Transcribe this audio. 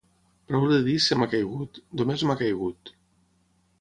prou de dir se m'ha caigut, només m'ha caigut